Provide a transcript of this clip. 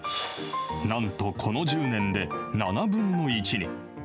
なんとこの１０年で７分の１に。